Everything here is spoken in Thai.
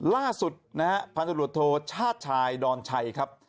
ล่าสุดนะฮะพศชาชายดอนชัยครับ